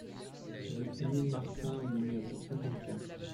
Rue Émile Martin au numéro cinquante-quatre